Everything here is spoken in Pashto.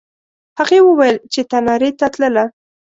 هغې وویل چې تنارې ته تلله.